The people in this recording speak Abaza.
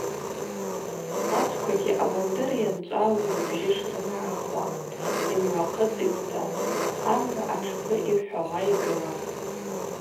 Ачвквагьи ауандыр йанчӏвалу йбжьы шрымгӏахуа, йымгӏвахъыцӏитӏта, амгӏва атшпы йхӏвауа йгылапӏ.